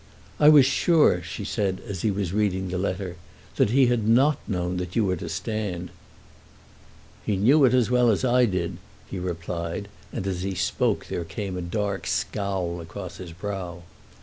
"I was sure," she said as he was reading the letter, "that he had not known that you were to stand." "He knew it as well as I did," he replied, and as he spoke there came a dark scowl across his brow.